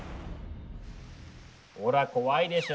ほら怖いでしょ？